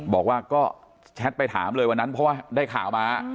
บอกว่าก็แชทไปถามเลยวันนั้นเพราะว่าได้ข่าวมา